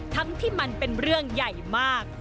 ที่มันเป็นเรื่องใหญ่มาก